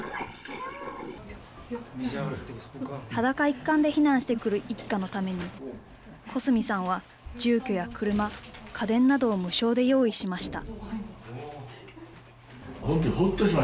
裸一貫で避難してくる一家のために小澄さんは住居や車家電などを無償で用意しました。